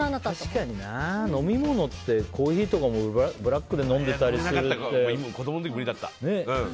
確かにな、飲み物ってコーヒーとかもブラックで飲んでたりするとね。